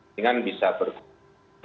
dengan bisa berkumpul